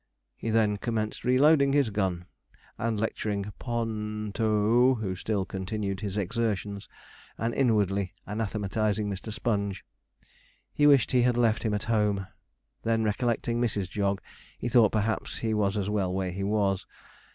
He then commenced reloading his gun, and lecturing P o o n to, who still continued his exertions, and inwardly anathematizing Mr. Sponge. He wished he had left him at home. Then recollecting Mrs. Jog, he thought perhaps he was as well where he was.